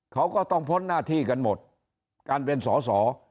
เขาก็ต้องพ้นหน้าที่กันหมดการเป็นสอสอ